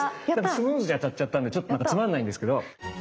スムーズに当たっちゃったんでちょっとつまんないんですけど。